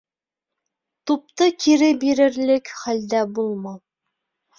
Тупты кире бирерлек хәлдә булмау